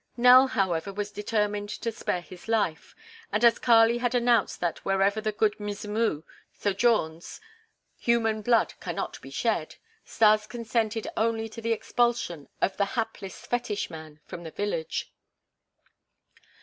Nell, however, was determined to spare his life, and as Kali had announced that wherever the "Good Mzimu" sojourns human blood cannot be shed, Stas consented only to the expulsion of the hapless fetish man from the village.